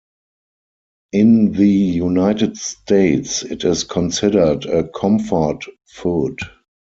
In the United States it is considered a comfort food.